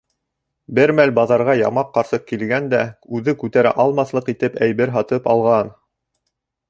Бер мәл баҙарға ямаҡ ҡарсыҡ килгән дә үҙе күтәрә алмаҫлыҡ итеп әйбер һатып алған.